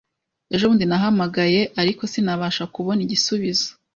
Ejo bundi nahamagaye, ariko sinabasha kubona igisubizo.